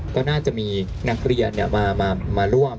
ก็น่าจะมีนักเรียนมาร่วม